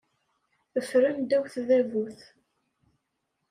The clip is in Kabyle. Ffren ddaw tdabut.